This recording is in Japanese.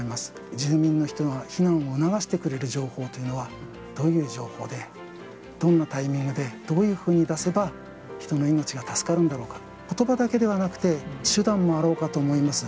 住民の人が避難を促してくれる情報というのは、どういう情報で、どんなタイミングで、どういうふうに出せば、人の命が助かるんだろうか、ことばだけではなくて、手段もあろうかと思います。